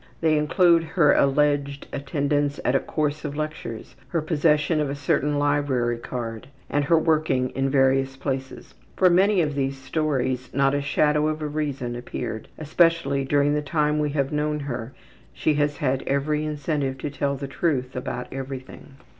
They include her alleged attendance at a course of lectures, her possession of a certain library card, and her working in various places. For many of these stories not a shadow of a reason appeared especially during the time we have known her she has had every incentive to tell the truth about everything.